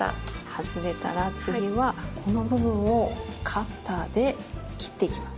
外れたら次はこの部分をカッターで切っていきます。